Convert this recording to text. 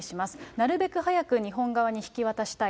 なるべく早く日本側に引き渡したい。